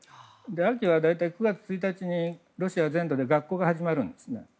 秋は大体９月１日にロシア全土で学校が始まるんですね。